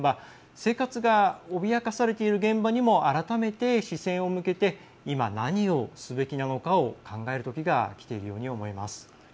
生活が脅かされている現場にも改めて視線を向けて今、何をすべきなのかを考えるときがきているように思えます。